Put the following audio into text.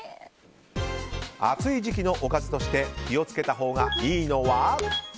暑い時期のおかずとして気を付けたほうがいいのは？